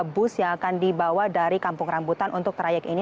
bus yang akan dibawa dari kampung rambutan untuk trayek ini